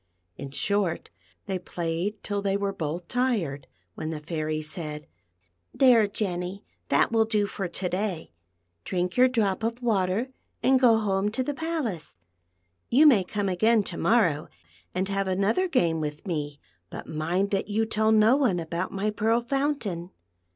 In short, they played till they were both tired, when the Fairy said, " There, Jenny ; that will do for to da}'. Drink your drop of water, and go home to the palace. You may come again to morrow and have another game with me, but mind that you tell no one about my Pearl Fountain."